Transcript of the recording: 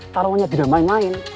taruhannya tidak main main